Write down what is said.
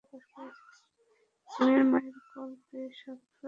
জিমের মায়ের কল পেয়ে সব জেনে নিলাম।